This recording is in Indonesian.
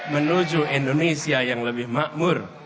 menuju indonesia yang lebih makmur